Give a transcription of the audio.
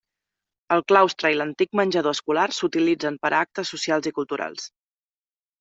El claustre i l'antic menjador escolar s'utilitzen per a actes socials i culturals.